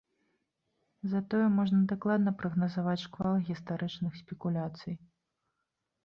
Затое можна дакладна прагназаваць шквал гістарычных спекуляцый.